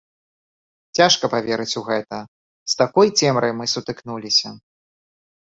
Цяжка паверыць у гэта, з такой цемрай мы сутыкнуліся!